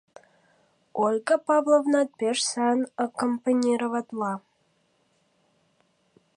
Ольга Павловнат пеш сайын аккомпанироватла.